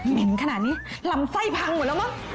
เห็นขนาดนี้ลำไส้พังหมดแล้วมั้ง